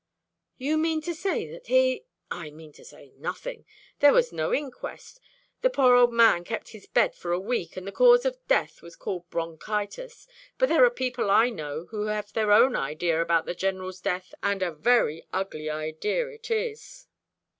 "You mean to say that he " "I mean to say nothing. There was no inquest. The poor old man kept his bed for a week, and the cause of death was called bronchitis; but there are people I know who have their own idea about the General's death, and a very ugly idea it is."